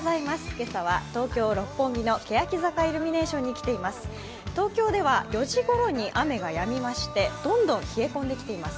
今朝は東京・六本木のけやき坂イルミネーションに来ています。